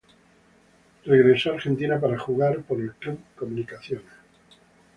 Regresó a Argentina para jugar por el club Comunicaciones.